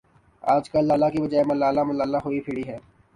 آجکل لالہ کے بجائے ملالہ ملالہ ہوئی پھری ہے ۔